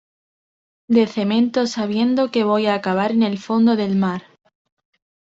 de cemento sabiendo que voy a acabar en el fondo del mar